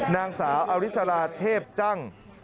นางสาวอริสราเทพจัง